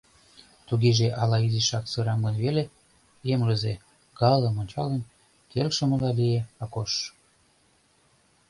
— Тугеже ала изишак сырам гын веле? — эмлызе Галым ончалын, келшымыла лие Акош.